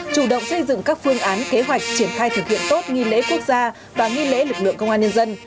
chủ động xây dựng các phương án kế hoạch triển khai thực hiện tốt nghi lễ quốc gia và nghi lễ lực lượng công an nhân dân